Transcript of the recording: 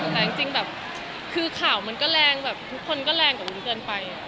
แต่จริงแบบคือข่าวมันก็แรงแบบทุกคนก็แรงกว่าวุ้นเกินไป